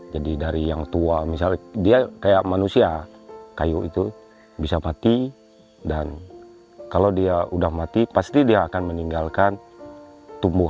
jadi dari yang tua misalnya dia seperti manusia kayu itu bisa mati dan kalau dia sudah mati pasti dia akan meninggalkan anaknya lagi